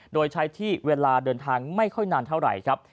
โดยใช้ที่เวลาเดินทางไม่ค่อยนานเท่าไหร่ครับ